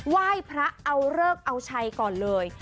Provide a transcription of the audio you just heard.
ไหว้พระเอาเลิกเอาชัยก่อนเลย